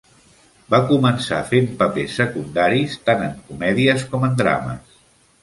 Va començar fent papers secundaris tant en comèdies com en drames.